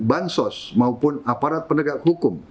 bansos maupun aparat penegak hukum